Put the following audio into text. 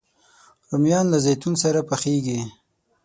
رومیان له زیتون تېلو سره پخېږي